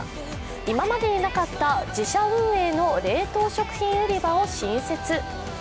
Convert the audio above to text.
今までになかった自社運営の冷凍食品売り場を新設。